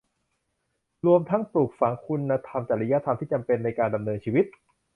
รวมทั้งปลูกฝังคุณธรรมจริยธรรมที่จำเป็นในการดำเนินชีวิต